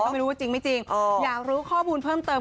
ฉันก็ไม่รู้ว่าจริงอยากรู้ข้อมูลเพิ่มเติม